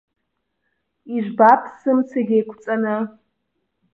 Ижәбап сымцагь еиқәҵаны.